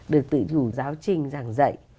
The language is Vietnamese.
được tự chủ giáo trình giảng dạy